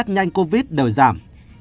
nhanh covid đều giảm